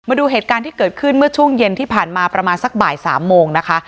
ดูเหตุการณ์ที่เกิดขึ้นเมื่อช่วงเย็นที่ผ่านมาประมาณสักบ่าย๓โมงนะคะ